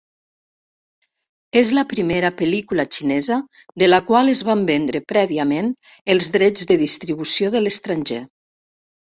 És la primera pel·lícula xinesa de la qual es van vendre prèviament els drets de distribució de l'estranger.